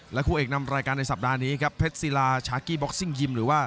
และคู่เอกนำรายการในสัปดาห์นี้ครับเพชรสีราชากี้บ๊อคซิ้นกิน